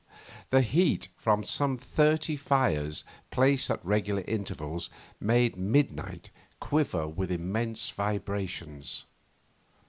The heat from some thirty fires, placed at regular intervals, made midnight quiver with immense vibrations.